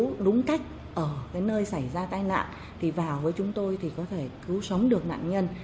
nếu đúng cách ở cái nơi xảy ra tai nạn thì vào với chúng tôi thì có thể cứu sống được nạn nhân